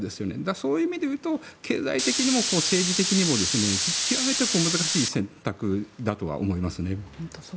そういう意味で言うと経済的にも政治的にも極めて難しい選択だとは思いますね。